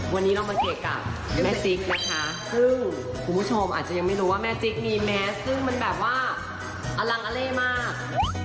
วันนี้เรามาเกะกะแม่จิ๊กนะคะซึ่งคุณผู้ชมอาจจะยังไม่รู้ว่าแม่จิ๊กมีแมสซึ่งมันแบบว่าอลังอเล่มาก